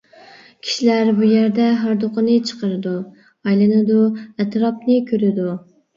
كىشىلەر بۇ يەردە ھاردۇقىنى چىقىرىدۇ، ئايلىنىدۇ، ئەتراپنى كۆرىدۇ.